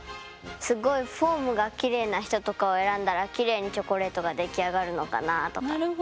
すごいフォームがきれいな人とかを選んだらきれいにチョコレートが出来上がるのかなあとか。